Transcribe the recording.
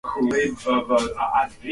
iliyokuja kujulikana kama Vita ya Majimaji